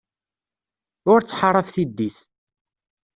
Ur ttḥaṛaf tiddit.